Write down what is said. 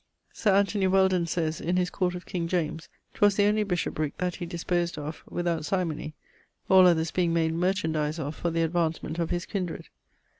Sir Anthony Weldon sayes (in his Court of King James), 'twas the only bishoprick that he disposed of without symony, all others being made merchandise of for the advancement of his kindred.